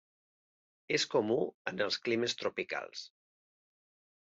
És comú en els climes tropicals.